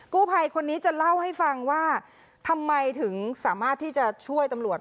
กู้ภัยคนนี้จะเล่าให้ฟังว่าทำไมถึงสามารถที่จะช่วยตำรวจ